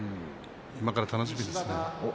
今から楽しみですね。